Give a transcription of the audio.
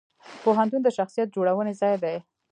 پوهنتون د شخصیت جوړونې ځای دی.